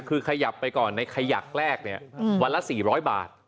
คือขยับไปก่อนในขยักแรกเนี่ยวันละ๔๐๐บาท